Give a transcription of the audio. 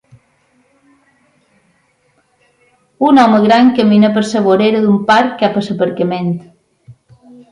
Un home gran camina per la vorera d'un parc cap a l'aparcament.